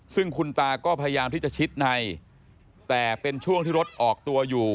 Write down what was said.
ซึ่งคุณตาก็พยายามที่จะชิดในแต่เป็นช่วงที่รถออกตัวอยู่